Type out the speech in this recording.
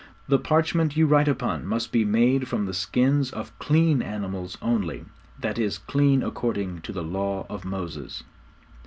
The parchment you write upon must be made from the skins of "clean" animals only that is clean according to the Law of Moses.